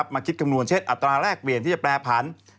มาคิดคำนวณเช่นอัตราแรกเปลี่ยนที่จะแปรผัน